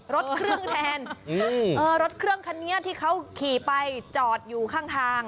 รถเครื่องแทนรถเครื่องคันนี้ที่เขาขี่ไปจอดอยู่ข้างทาง